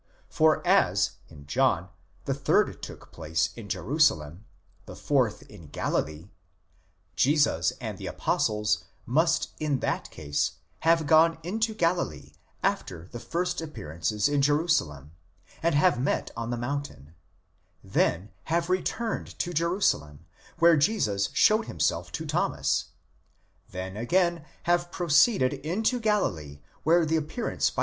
For as, in John, the third took place in Jerusalem, the fourth in Galilee: Jesus and the apostles must in that case have gone into Galilee after the first appearances in Jerusalem, and have met on the mountain ; then have returned to Jerusalem where Jesus showed him self to Thomas; then again have proceeded into Galilee where the appear ance by.